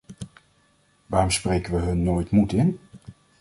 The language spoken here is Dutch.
Waarom spreken we hun nooit moed in?